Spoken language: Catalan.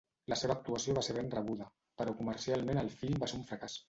La seva actuació va ser ben rebuda, però comercialment el film va ser un fracàs.